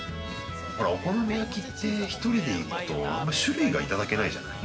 お好み焼きって１人で行くとあんまり種類がいただけないじゃない？